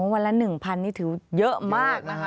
วันละ๑๐๐นี่ถือเยอะมากนะคะ